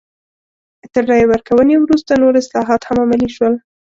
تر رایې ورکونې وروسته نور اصلاحات هم عملي شول.